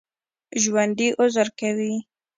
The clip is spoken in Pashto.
ژوندي عذر کوي